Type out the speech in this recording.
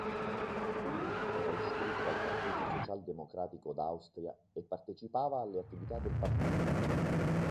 Era iscritto al Partito Socialdemocratico d'Austria e partecipava alle attività del partito.